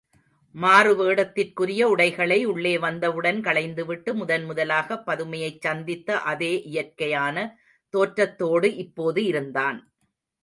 மாறுவேடத்திற்குரிய உடைகளை உள்ளே வந்தவுடன் களைந்துவிட்டு, முதன் முதலாகப் பதுமையைச் சந்தித்த அதே இயற்கையான தோற்றத்தோடு இப்போது இருந்தான்.